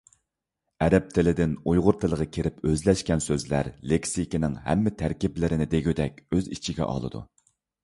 ئەرەب تىلىدىن ئۇيغۇر تىلىغا كىرىپ ئۆزلەشكەن سۆزلەر لېكسىكىنىڭ ھەممە تەركىبلىرىنى دېگۈدەك ئۆز ئىچىگە ئالىدۇ.